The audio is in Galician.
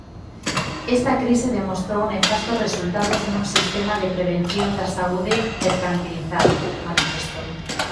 "Esta crise demostrou nefastos resultados nun sistema de prevención da saúde mercantilizado", manifestou.